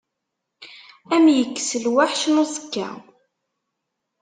Ad m-yekkes lweḥc n uẓekka.